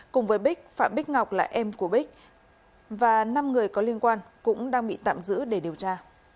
cùng với bích phạm bích ngọc là em của bích và năm người có liên quan cũng đang bị tạm giữ để điều tra